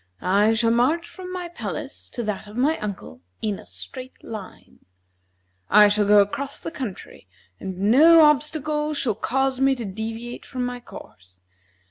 I shall march from my palace to that of my uncle in a straight line. I shall go across the country, and no obstacle shall cause me to deviate from my course.